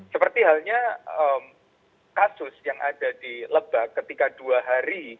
seperti halnya kasus yang ada di lebak ketika dua hari